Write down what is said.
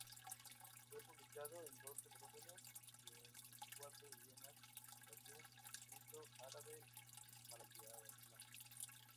Fue publicado en doce volúmenes, y en cuatro idiomas: latín, sánscrito, árabe, malayalam.